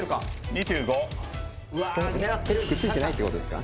２５うわあ狙ってるくっついてないってことですか？